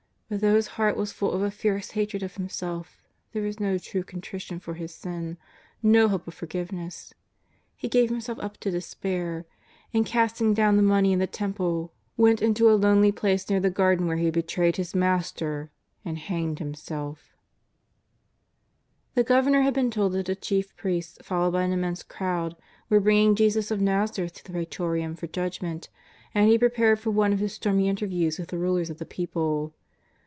But though his lieart was full of a fierce hatred of him self, there was no true contrition for his sin, no hope of forgiveness. He gave himself up to despair, and, cast ing down the money in the Temple, went into a lonely place near the Garden where he had betrayed his Mas ter, and hanged himself; The Governor had been told that the chief priests, followed by an immense crowd, were bringing Jesus of j^azareth to the Prtxtorium for judgment, and he prepared for one of his stormy interviews with the rulers of the people.